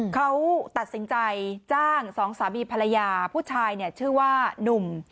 เขาตัดสินใจจ้างสองสามีภรรยาผู้ชายชื่อว่านุ่ม